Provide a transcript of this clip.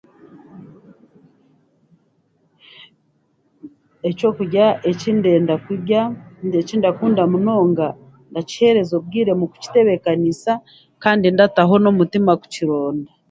Ekyokurya eki ndenda kurya, ekindakunda munonga ndakihereza obwire mu kukitebeekaniisa, kandi ndataho n'omutima kukironda.